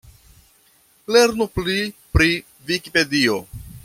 Lernu pli pri Vikipedio.